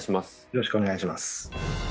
よろしくお願いします。